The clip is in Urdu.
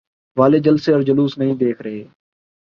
والے جلسے اور جلوس نہیں دیکھ رہے؟